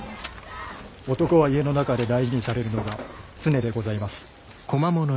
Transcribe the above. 男は家の中で大事にされるのが常でございます。